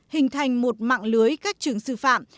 hình thành một mạng lưới các trường sư phạm